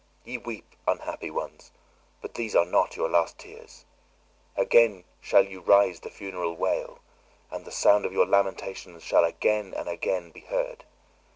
Ye weep, unhappy ones, but these are not your last tears! Again shall you raise the funeral wail, and the sound of your lamentations shall again and again be heard!